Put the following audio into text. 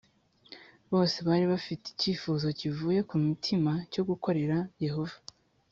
bose bari bafite icyifuzo kivuye ku mutima cyo gukorera Yehova